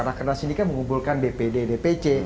rakernas ini kan mengumpulkan dpd dpc